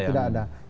tidak ada ya